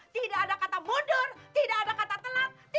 tidak ada kata mundur tidak ada kata telat